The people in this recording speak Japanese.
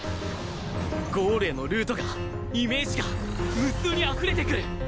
ゴールへのルートがイメージが無数にあふれてくる！